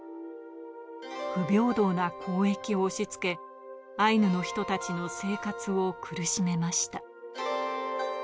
不平等な交易を押しつけ、アイヌの人たちの生活を苦しめました。